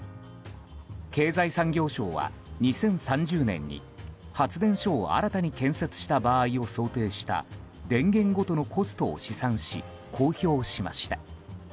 経済産業省は、２０３０年に発電所を新たに建設した場合を想定した電源ごとのコストを試算し公表しました。